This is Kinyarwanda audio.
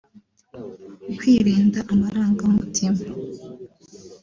Kwirinda amarangamutima